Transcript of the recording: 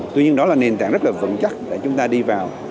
tuy nhiên đó là nền tảng rất là vững chắc để chúng ta đi vào